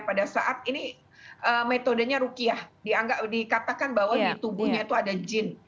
pada saat ini metodenya rukiah dianggap dikatakan bahwa di tubuhnya itu ada jin